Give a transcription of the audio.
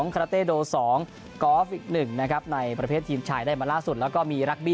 คาราเต้โด๒กอล์ฟอีก๑นะครับในประเภททีมชายได้มาล่าสุดแล้วก็มีรักบี้